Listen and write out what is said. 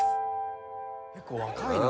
結構若いな。